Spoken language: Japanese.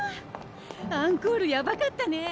アンコールやばかったね。